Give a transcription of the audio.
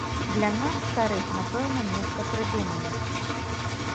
Для нас, старых, напэўна нешта прыдумаюць.